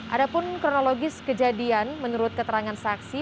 ada pun kronologis kejadian menurut keterangan saksi